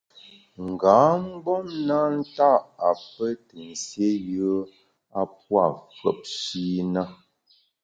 Nga mgbom na nta’ a pe te nsié yùe a pua’ fùepshi na.